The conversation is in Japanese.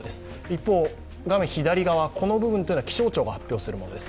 一方、画面左側は気象庁が発表するものです。